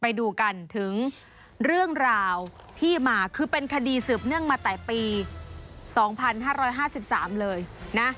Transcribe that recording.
ไปดูกันถึงเรื่องราวที่มาคือเป็นคดีสืบเนื่องมาแต่ปี๒๕๕๓เลยนะ